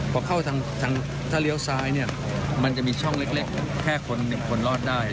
พอเข้าทางถ้าเลี้ยวซ้ายเนี่ยมันจะมีช่องเล็กแค่คนรอดได้